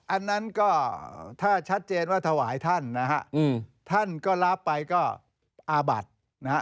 อันนั้นก็ถ้าชัดเจนว่าถวายท่านนะฮะท่านก็รับไปก็อาบัตินะฮะ